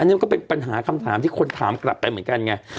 อันนี้มันก็เป็นปัญหาคำถามที่คนถามกลับไปเหมือนกันไง